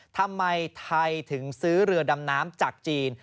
ทำไมไทยถึงซื้อเรือดำน้ำจากจีน